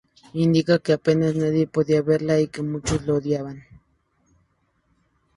Indica que apenas nadie podía verla y que muchos la odiaban.